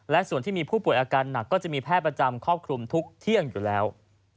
และส่วนที่มีผู้ป่วยอาการหนักก็จะมีแพทย์ประจำครอบคลุมทุกเที่ยงอยู่แล้ว